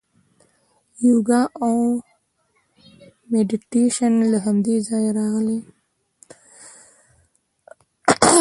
یوګا او میډیټیشن له همدې ځایه راغلي.